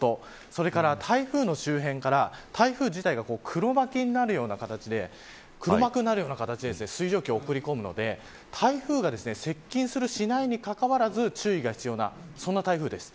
それから、台風の周辺から台風自体が黒幕になるような形で黒幕になるような形で水蒸気を送り込むので台風が、接近する、しないにかかわらず、注意が必要なそんな台風です。